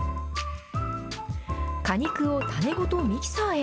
果肉を種ごとミキサーへ。